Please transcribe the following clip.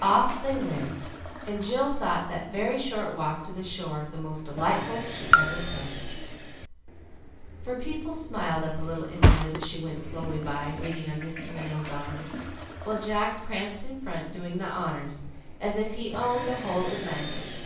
Off they went, and Jill thought that very short walk to the shore the most delightful she ever took; for people smiled at the little invalid as she went slowly by leaning on Mrs. Minot's arm, while Jack pranced in front, doing the honors, as if he owned the whole Atlantic.